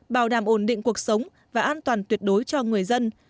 bảo đảm ổn định cuộc sống và an toàn tuyệt đối cho người dân